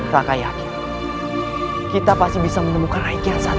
raka yakin kita pasti bisa menemukan aikian santai